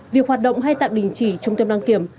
việc hoạt động hay tạm đình chỉ trung tâm đăng kiểm